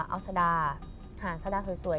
เอาสดาหารสดาสวย